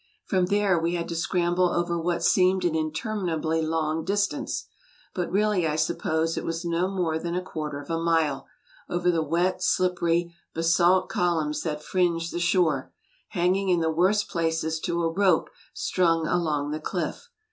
From there we had to scramble over what seemed an interminably long distance but really I suppose it was nor more than a quaner of a mile over the wet, slippery, basalt columns that fringe the shore, hanging in the worst places to a rope strung along the cliff.